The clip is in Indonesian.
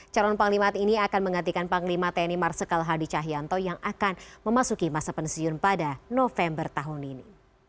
calon panglimat ini akan menggantikan panglima tni marsikal hadi cahyanto yang akan memasuki masa pensiun pada november tahun ini